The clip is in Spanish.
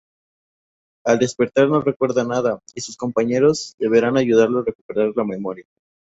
Al despertar no recuerda nada y sus compañeros deberán ayudarlo a recuperar la memoria.